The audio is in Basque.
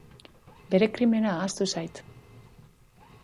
Bere krimena ahaztu zait.